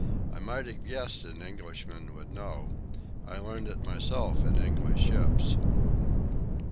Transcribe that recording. "I might have guessed an Englishman would know. I learned it myself in English ships."